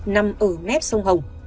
nằm ở mét sông hồng